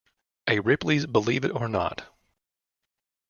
A Ripley's Believe It or Not!